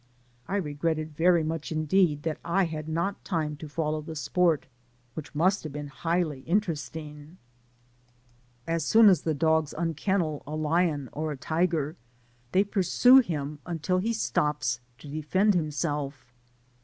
I regretted very much indeed that I had not time to follow the sport, which must be highly interesting. As soon as the dogs unkennel a lion or a tiger, they pursue him until he stops to defend himself.